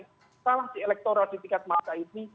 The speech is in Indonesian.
instalasi elektoral di tingkat masa ini